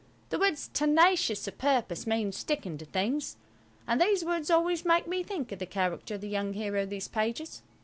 The words "tenacious of purpose" mean sticking to things, and these words always make me think of the character of the young hero of these pages.